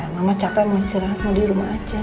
mama capek mau istirahat mau di rumah aja